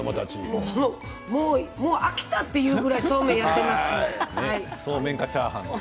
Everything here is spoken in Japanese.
もう飽きたと言われるぐらい、そうめんやっています。